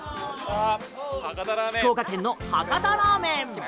福岡県の博多ラーメン！